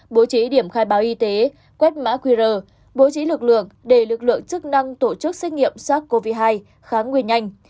bố trí điểm khai báo y tế quét mã qr bố trí lực lượng để lực lượng chức năng tổ chức xét nghiệm sars cov hai kháng nguyên nhanh